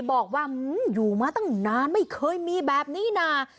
บอกว่าอยู่มาตั้งนานไม่เคยมีแบบนี้นะ